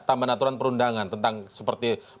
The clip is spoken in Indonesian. tambahan aturan perundangan tentang seperti menitipkan kelas